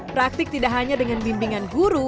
praktik tidak hanya dengan bimbingan guru